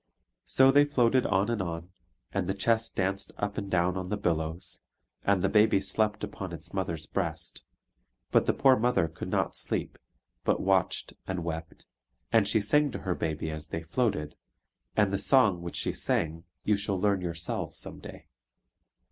So they floated on and on, and the chest danced up and down upon the billows, and the baby slept upon its mother's breast: but the poor mother could not sleep, but watched and wept, and she sang to her baby as they floated; and the song which she sang you shall learn yourselves some day.